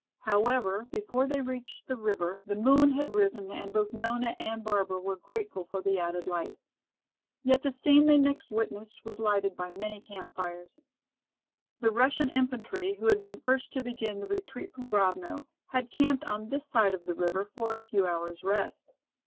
However, before they reached the river the moon had risen and both Nona and Barbara were grateful for the added light. Yet the scene they next witnessed was lighted by many camp fires. The Russian infantry, who had been first to begin the retreat from Grovno, had camped on this side the river for a few hours rest.